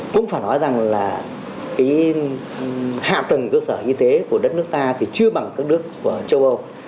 cũng phải nói rằng là cái hạ tầng cơ sở y tế của đất nước ta thì chưa bằng các nước của châu âu